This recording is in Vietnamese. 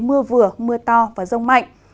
mưa vừa mưa to và rông mạnh